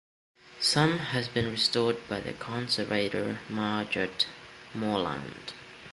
Some has been restored by conservator Margaret Moreland.